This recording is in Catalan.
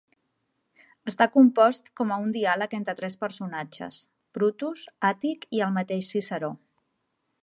Està compost com a un diàleg entre tres personatges, Brutus, Àtic i el mateix Ciceró.